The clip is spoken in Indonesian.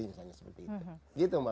misalnya seperti itu